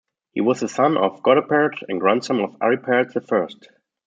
He was the son of Godepert and grandson of Aripert the First.